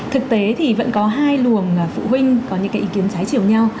thực tế thì vẫn có hai luồng phụ huynh có những cái ý kiến trái chiều nhau